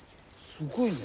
すごいね。